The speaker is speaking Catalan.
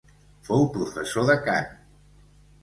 Fou professor de cant.